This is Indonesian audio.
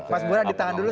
pas bu rang ditahan dulu